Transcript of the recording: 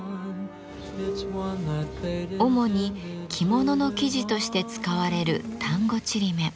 主に着物の生地として使われる丹後ちりめん。